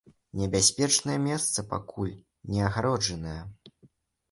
Небяспечнае месца пакуль не агароджанае.